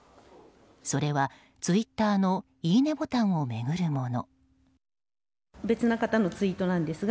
それは、ツイッターのいいねボタンを巡るもの。